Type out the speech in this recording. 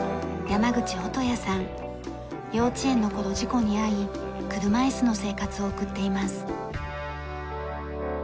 幼稚園の頃事故に遭い車いすの生活を送っています。